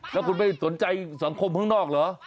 ถ้าคุณไม่สนใจสังคมตรงนอกเหรอ